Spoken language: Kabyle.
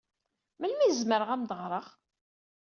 Melmi ay zemreɣ ad am-d-ɣreɣ?